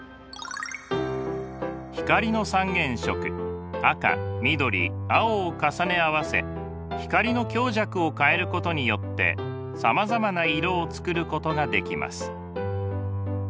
光の三原色赤緑青を重ね合わせ光の強弱を変えることによってさまざまな色を作ることができます。